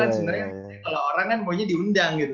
kan sebenernya kalau orang kan pokoknya diundang gitu